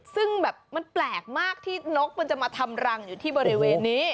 ซึ่งแบบมันแปลกมากที่นกมันจะมาทำรังอยู่ที่บริเวณนี้